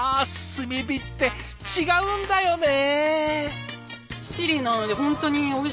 炭火って違うんだよね。